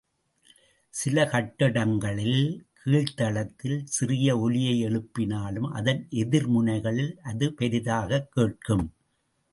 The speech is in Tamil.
சில கட்டிடங்களில் கீழ்த்தளத்தில் சிறிய ஒலியை எழுப்பினாலும், அதன் எதிர்முனைகளில் அது பெரிதாகக் கேட்கும்.